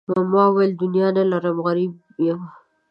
ما وویل دنیا نه لرم غریب یم.